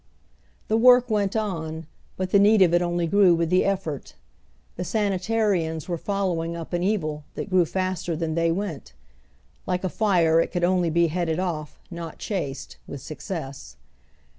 The work went on ; but the need of it only grew with the effort. The Sanitarians were following up an evil that grew faster than they went ; like a fire, it could only be headed off, not chased, with success.